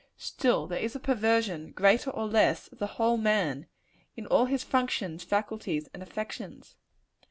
Still there is a perversion, greater or less, of the whole man in all his functions, faculties and affections.